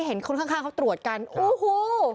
เห็นคนข้างเขาตรวจกันโอ้โห